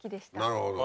なるほど。